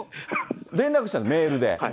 連絡したの、メールで。